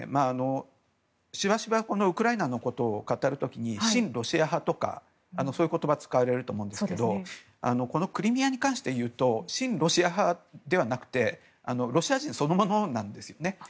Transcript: しばしばウクライナのことを語る時に親ロシア派とかそういう言葉使われると思うんですがこのクリミアに関して言うと親ロシア派ではなくてロシア人そのものなんですよね。